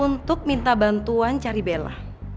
untuk minta bantuan cari bela